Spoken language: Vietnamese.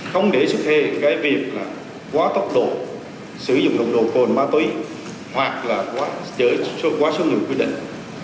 không để sức hề cái việc là quá tốc độ sử dụng động đồ cồn má túy hoặc là quá số người quyết định